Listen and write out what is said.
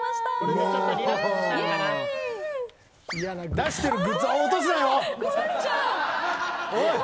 出してるグッズ落とすなよ。